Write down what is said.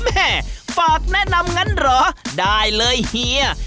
แม่ฝากแนะนำงั้นเหรอได้เลยเฮีย